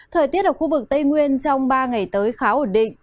thời tiết ở khu vực tây nguyên trong ba ngày tới khá ổn định